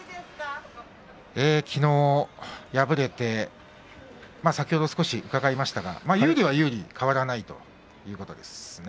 きのう敗れて先ほど少し伺いましたが有利は有利変わらないということですね。